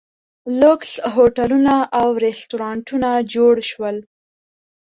لوکس هوټلونه او ریسټورانټونه جوړ شول.